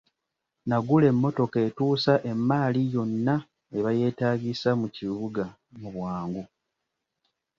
Nagula emmotoka etuusa emmaali yonna eba yeetaagisa mu kibuga mu bwangu.